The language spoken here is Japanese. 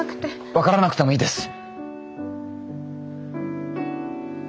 分からなくてもいいです。